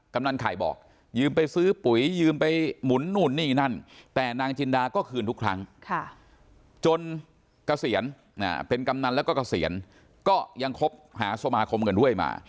ำนันไข่บอกยืมไปซื้อปุ๋ยยืมไปหมุนนู่นนี่นั่นแต่นางจินดาก็คืนทุกครั้งจนเกษียณเป็นกำนันแล้วก็เกษียณก็ยังคบหาสมาคมกันด้วยมา